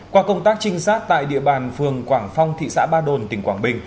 qua công tác trinh sát tại địa bàn phường quảng phong thị xã ba đồn tỉnh quảng bình